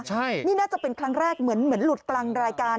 ใช่นี่น่าจะเป็นครั้งแรกเหมือนหลุดกลางรายการ